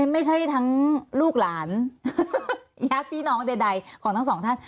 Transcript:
ไม่ใช่ทั้งลูกหลานญาติพี่น้องใดของทั้งสองท่าน